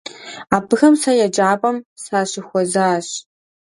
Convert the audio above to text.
Абыхэм сэ еджапӏэм сащыхуэзащ.